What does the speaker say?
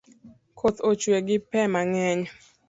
Koth ochue gi pe mang’eny